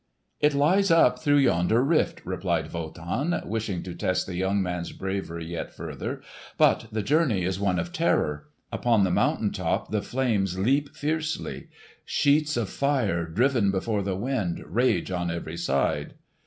"It lies up through yonder rift," replied Wotan, wishing to test the young man's bravery yet further; "but the journey is one of terror. Upon the mountain top the flames leap fiercely. Sheets of fire driven before the wind rage on every side."